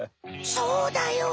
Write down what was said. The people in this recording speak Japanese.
そうだよ。